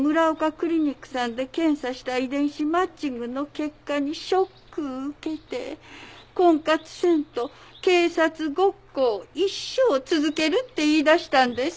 クリニックさんで検査した遺伝子マッチングの結果にショック受けて婚活せんと警察ごっこを一生続けるって言いだしたんです。